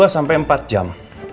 dua sampai empat jam